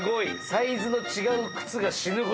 サイズの違う靴が死ぬほどある。